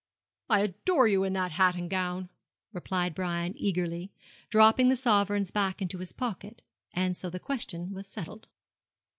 'I adore you in that hat and gown,' replied Brian, eagerly, dropping the sovereigns back into his pocket; and so the question was settled.